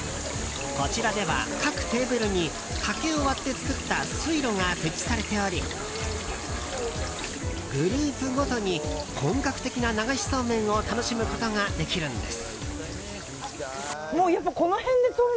こちらでは各テーブルに竹を割って作った水路が設置されておりグループごとに本格的な流しそうめんを楽しむことができるんです。